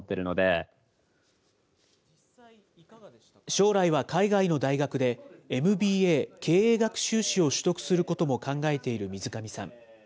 将来は海外の大学で、ＭＢＡ・経営学修士を取得することも考えている水上さん。